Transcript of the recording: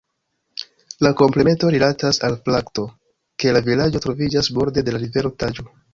La komplemento rilatas al fakto ke la vilaĝo troviĝas borde de la rivero Taĵo.